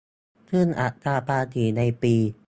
ซึ่งอัตราภาษีในปี